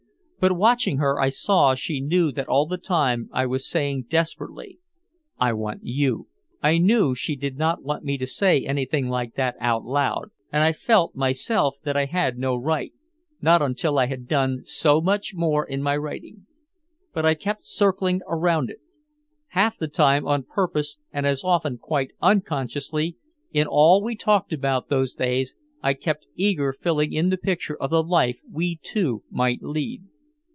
But watching her I saw she knew that all the time I was saying desperately, "I want you." I knew she did not want me to say anything like that out loud, and I felt myself that I had no right not until I had done so much more in my writing. But I kept circling around it. Half the time on purpose and as often quite unconsciously, in all we talked about those days I kept eagerly filling in the picture of the life we two might lead.